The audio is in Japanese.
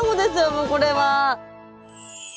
もうこれは。